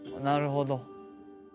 なるほど。